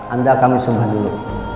anda kami sumbangan dulu